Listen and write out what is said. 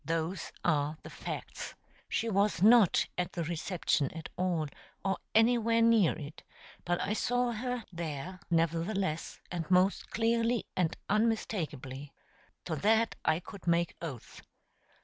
Those are the facts. She was not at the reception at all, or anywhere near it; but I saw her there nevertheless, and most clearly and unmistakably. To that I could make oath.